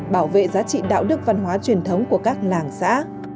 bảo vệ giá trị đạo đức văn hóa truyền thống của các làng xã